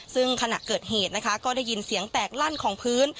ซึ่งขณะเกิดเหตุนะคะก็ได้ยินเสียงแตกลั่นของพื้น